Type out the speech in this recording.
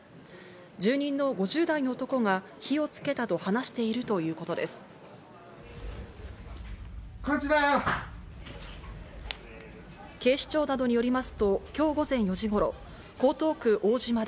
住人の５０代の男が火をつけたと話しているということです。